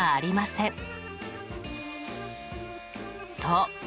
そう。